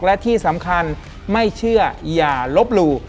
และที่สำคัญไม่เชื่ออย่าลบหลู่